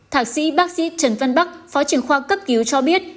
thạc sĩ bác sĩ trần văn bắc phó trưởng khoa cấp cứu cho biết